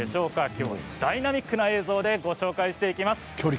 きょうはダイナミックな映像でご紹介していきます。